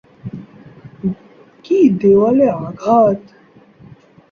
কি দেওয়ালে আঘাত!